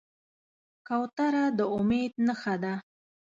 کوتره د امید نښه ده.